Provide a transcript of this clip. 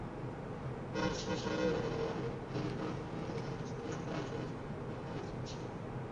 康宁汉生于美国俄亥俄州的辛辛那提市。